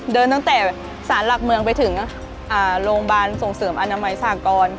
ตั้งแต่สารหลักเมืองไปถึงโรงพยาบาลส่งเสริมอนามัยสากร